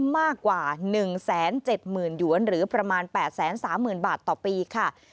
มากกว่า๑๗๐๐๐หยวนหรือประมาณ๘๓๐๐๐บาทต่อปีค่ะ